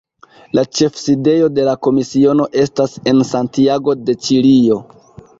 La ĉefsidejo de la komisiono estas en Santiago de Ĉilio.